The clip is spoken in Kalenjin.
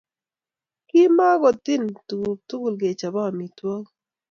Kimakotin tukuk tugul kechope amitwogik